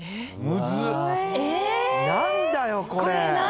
何だよこれ。